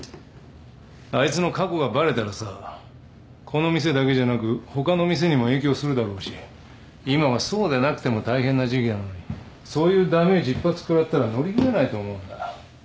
あいつの過去がバレたらさこの店だけじゃなく他の店にも影響するだろうし今はそうでなくても大変な時期なのにそういうダメージ一発食らったら乗り切れないと思うんだ。